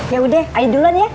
yaudah ayo duluan ya